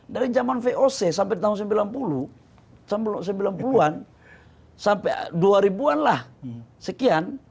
dari zaman voc sampai tahun sembilan puluh an sampai dua ribu an lah sekian